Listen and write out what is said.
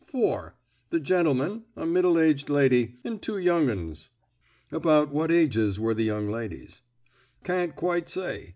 "Four. The gentleman, a middle aged lady, and two young 'uns." "About what ages were the young ladies?" "Can't quite say.